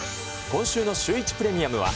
今週のシューイチプレミアムは。